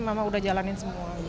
mama udah jalanin semua